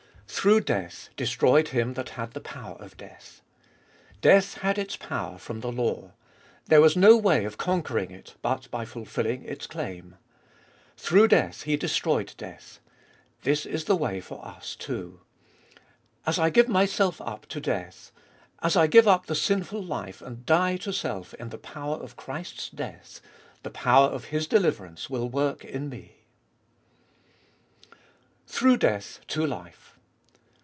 1. " Through death destroyed him that had the power of death. " Death had its power from the law, There was no way of conquering it but by fulfilling its claim. Through death He destroyed death. This is the way for us too. As I give myself up to death, as I give up the sin ful life, and die to self in the power of Christ's death, the power of His deliverance will work in me. 2. Through death to life.